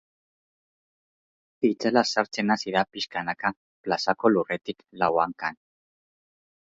Itzala sartzen hasi da pixkanaka plazako lurretik lau hankan.